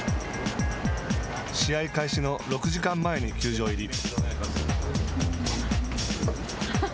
試合開始の６時間前に球場入り。